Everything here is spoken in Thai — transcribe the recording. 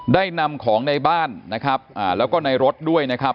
ได้นำของในบ้านนะครับแล้วก็ในรถด้วยนะครับ